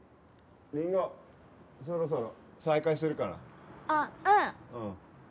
りんごそろそろ再開するからあっうん